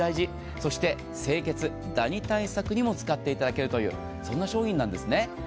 そして清潔、ダニ対策にも使っていただけるという商品なんです。